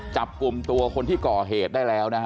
จับกลุ่มตัวคนที่ก่อเหตุได้แล้วนะฮะ